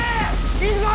行くぞ！